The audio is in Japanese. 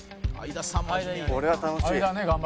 これは楽しい。